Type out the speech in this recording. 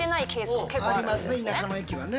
ありますね田舎の駅はね。